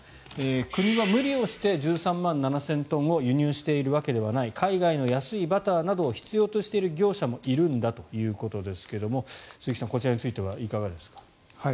国は無理をして１３万７０００トンを輸入しているわけではない海外の安いバターなどを必要としている業者もいるんだということですが鈴木さん、こちらについてはいかがですか？